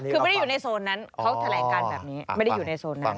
คือไม่ได้อยู่ในโซนนั้นเขาแถลงการแบบนี้ไม่ได้อยู่ในโซนนั้น